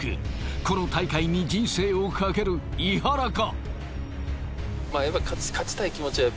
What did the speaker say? この大会に人生を懸ける井原か？